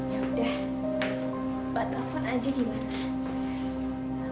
yaudah bawa telepon aja gimana